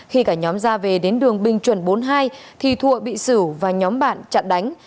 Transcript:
khi cả nhóm ra về đến đường bình chuẩn bốn mươi hai thì thụa bị xử và nhóm bạn chặn đánh